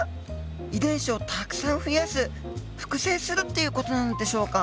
遺伝子をたくさん増やす複製するっていう事なのでしょうか？